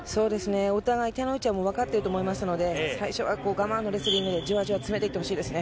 お互い手の内は分かってると思いますので、最初は我慢のレスリングでじわじわ詰めていってほしいですね。